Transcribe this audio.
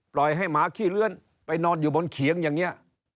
ปล่อยให้หมาขี้เลื้อนไปนอนอยู่บนเขียงอย่างนี้